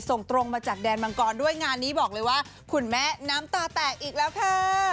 ส่งตรงมาจากแดนมังกรด้วยงานนี้บอกเลยว่าคุณแม่น้ำตาแตกอีกแล้วค่ะ